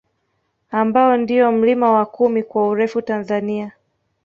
Ambao ndio mlima wa kumi kwa urefu Tanzania